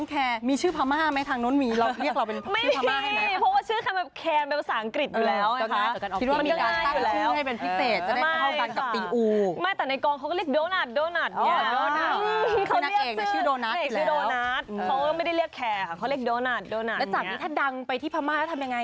แล้วจากนี้ถ้าดังไปที่พม่าแล้วทำยังไง